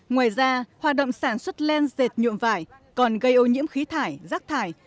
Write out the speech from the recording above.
ngoài ra hoạt động sản xuất len dệt nhuộm vải còn gây ô nhiễm khí thải rác thải